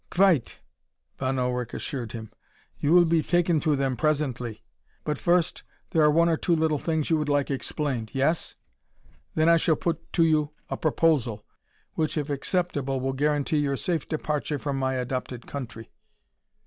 "Quite," Von Ullrich assured him. "You will be taken to them presently. But first there are one or two little things you would like explained yes? Then I shall put to you a proposal, which if acceptable will guarantee your safe departure from my adopted country."